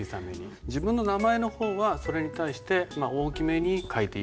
自分の名前の方はそれに対して大きめに書いていいかな。